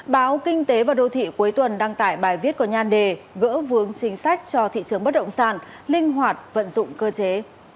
báo kinh tế và đô thị cuối tuần đăng tải bài viết có nhan đề gỡ vướng chính sách cho thị trường bất động sản linh hoạt vận dụng cơ chế